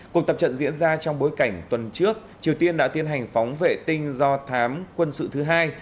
cuộc tập trận diễn ra trong bối cảnh tuần trước triều tiên đã tiến hành phóng vệ tinh do thám quân sự thứ hai